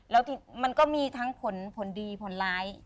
แล้วมันก็มีทั้งผลดีผลร้าย